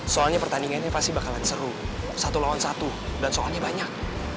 soalnya pertandingan ini pasti bakalan seru satu lawan satu dan soalnya banyak